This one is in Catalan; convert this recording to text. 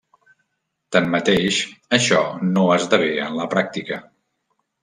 Tanmateix, això no esdevé en la pràctica.